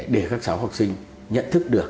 để các cháu học sinh nhận thức được